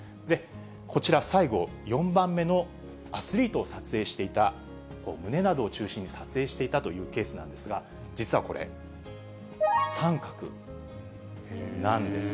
こちら、最後、４番目のアスリートを撮影していた、胸などを中心に撮影していたというケースなんですが、実はこれ、三角なんです。